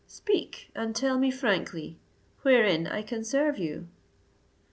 Speak, and tell me frankly, wherein I can serve you?"